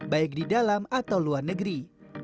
baik di dalam atau luar negeri